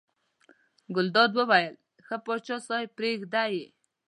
ګلداد وویل ښه پاچا صاحب پرېږده یې.